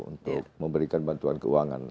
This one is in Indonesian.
untuk memberikan bantuan keuangan